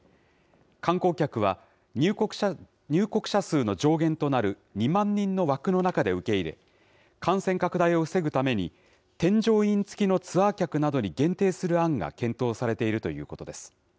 観光客は、入国者数の上限となる２万人の枠の中で受け入れ、感染拡大を防ぐために、添乗員付きのツアー客などに限定する案が検討されているということです。